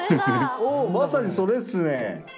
まさにそれっすね！